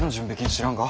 知らんか？